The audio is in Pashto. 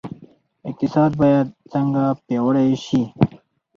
اقتصاد باید څنګه پیاوړی شي؟